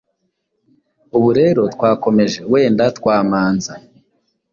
Ubu rero twakomeje wenda twamanza